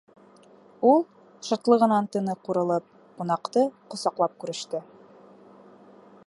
— Ул, шатлығынан тыны ҡурылып, ҡунаҡты ҡосаҡлап күреште.